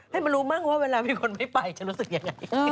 ให้มันรู้มั่งว่าเวลามีคนไม่ไปจะรู้สึกยังไง